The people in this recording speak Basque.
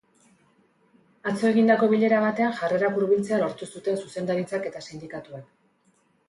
Atzo egindako bilera batean jarrerak hurbiltzea lortu zuten zuzendaritzak eta sindikatuek.